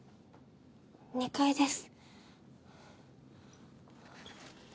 ２階です。